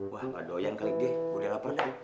wah gak doyan kali deh gue udah lapar deh